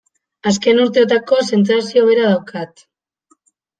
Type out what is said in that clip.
Azken urteotako sentsazio bera daukat.